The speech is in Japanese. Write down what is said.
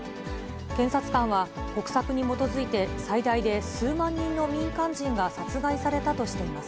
検察官は、国策に基づいて、最大で数万人の民間人が殺害されたとしています。